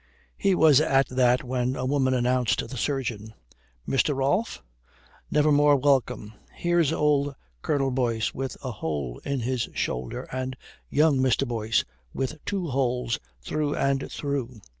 He was at that when a woman announced the surgeon. "Mr. Rolfe? Never more welcome. Here's old Colonel Boyce with a hole in his shoulder, and young Mr. Boyce with two holes through and through.